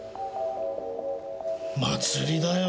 祭りだよ。